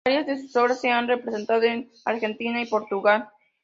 Varias de sus obras se han representado en Argentina y Portugal.